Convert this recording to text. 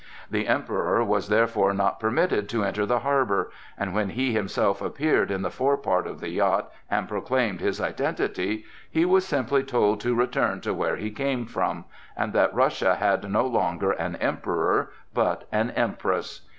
The Emperor was therefore not permitted to enter the harbor, and when he himself appeared in the fore part of the yacht and proclaimed his identity, he was simply told to return to where he came from, and that Russia had no longer an emperor, but an empress.